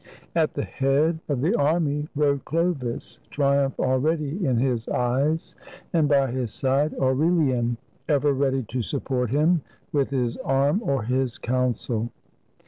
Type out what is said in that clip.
At the head of the army rode Chlovis, triiunph already in his eyes, and by his side, Aurelian, ever ready to support him with his arm or his counsel.